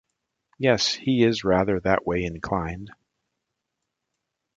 Yes, he is rather that way inclined.